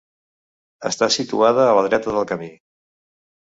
Està situada a la dreta del camí.